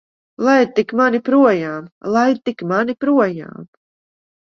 Laid tik mani projām! Laid tik mani projām!